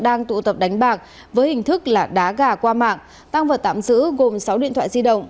đang tụ tập đánh bạc với hình thức là đá gà qua mạng tăng vật tạm giữ gồm sáu điện thoại di động